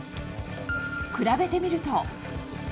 比べてみると。